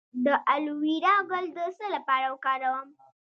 د الوویرا ګل د څه لپاره وکاروم؟